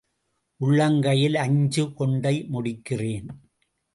உள்ளங்கையில் அஞ்சு கொண்டை முடிக்கிறேன்.